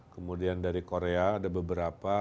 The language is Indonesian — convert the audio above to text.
kemudian dari korea ada beberapa